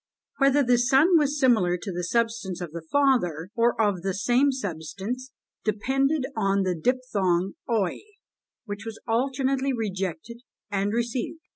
Whether the Son was similar to the substance of the Father, or of the same substance, depended on the diphthong oi, which was alternately rejected and received.